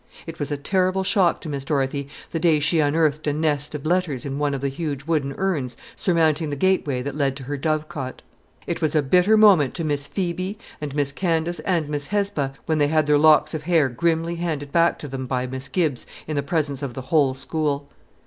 It was a terrible shock to Miss Dorothy the day she unearthed a nest of letters in one of the huge wooden urns surmounting the gateway that led to her dovecot. It was a bitter moment to Miss Phoebe and Miss Candace and Miss Hesba, when they had their locks of hair grimly handed back to them by Miss Gibbs in the presence of the whole school.